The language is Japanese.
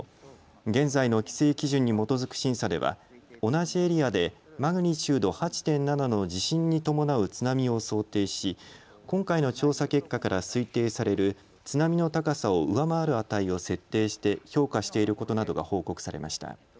現在の規制基準に基づく審査では同じエリアでマグニチュード８．７の地震に伴う津波を想定し今回の調査結果から推定される津波の高さを上回る値を設定して評価していることなどが報告されました。